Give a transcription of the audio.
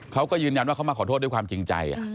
เขาก็ยืนยันว่าเขามาขอโทษด้วยความจริงใจ